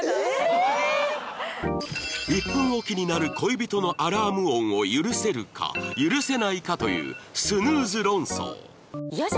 １分おきに鳴る恋人のアラーム音を許せるか許せないかというスヌーズ論争